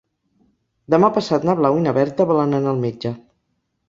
Demà passat na Blau i na Berta volen anar al metge.